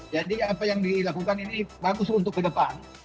jadi apa yang dilakukan ini bagus untuk ke depan